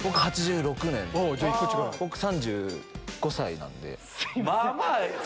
３５歳なんで。